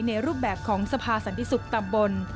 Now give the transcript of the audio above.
ในรูปแบบของสภาษณ์สันติศุกร์ตำบล